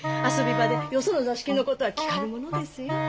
遊び場でよその座敷のことは聞かぬものですよ。